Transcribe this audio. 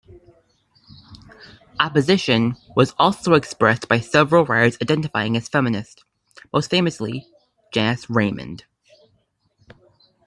Opposition was also expressed by several writers identifying as feminist, most famously Janice Raymond.